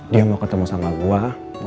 dia mau ketemu sama gue